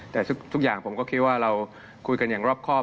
แต่ทุกอย่างผมก็คิดว่าเราคุยกันอย่างรอบครอบ